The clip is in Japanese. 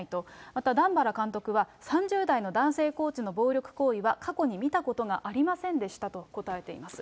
また段原監督は３０代の男性コーチの暴力行為は、過去に見たことがありませんでしたと答えています。